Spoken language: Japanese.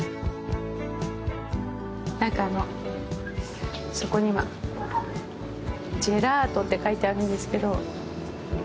なんかあの、そこにジェラートって書いてあるんですけど。